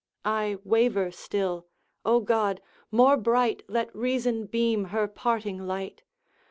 I waver still. O God! more bright Let reason beam her parting light!